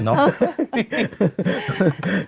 ไปเล็กเดือด